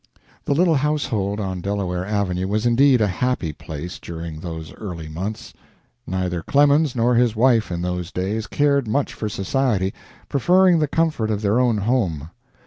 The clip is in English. The little household on Delaware Avenue was indeed a happy place during those early months. Neither Clemens nor his wife in those days cared much for society, preferring the comfort of their own home.